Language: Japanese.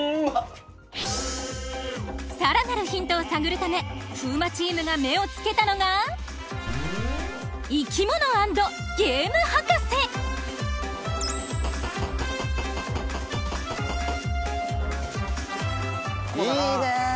さらなるヒントを探るため風磨チームが目を付けたのがいいね